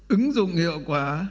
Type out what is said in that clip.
ứng dụng hiệu quả